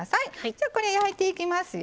じゃこれ焼いていきますよ。